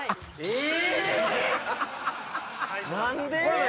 え⁉何で？